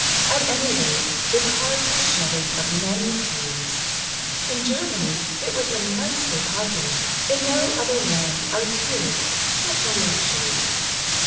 At any rate, it caused the shedding of many tears. In Germany, it was immensely popular—in no other land are tears such a luxury.